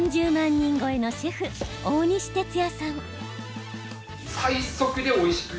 人超えのシェフ大西哲也さん。